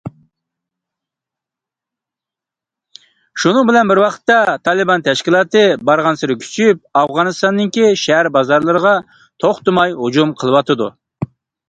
شۇنىڭ بىلەن بىر ۋاقىتتا، تالىبان تەشكىلاتى بارغانسېرى كۈچىيىپ، ئافغانىستاننىڭ شەھەر بازارلىرىغا توختىماي ھۇجۇم قىلىۋاتىدۇ.